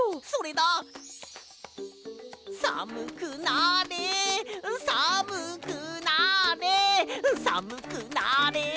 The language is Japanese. さむくなれさむくなれさむくなれさむくなれ！